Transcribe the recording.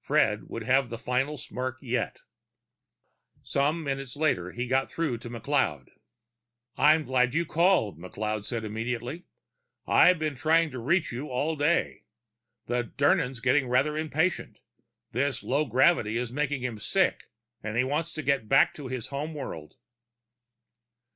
Fred would have the final smirk yet. Some minutes later, he got through to McLeod. "I'm glad you called," McLeod said immediately. "I've been trying to reach you all day. The Dirnan's getting rather impatient; this low gravity is making him sick, and he wants to get going back to his home world."